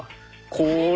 これ。